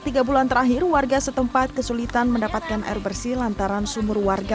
tiga bulan terakhir warga setempat kesulitan mendapatkan air bersih lantaran sumur warga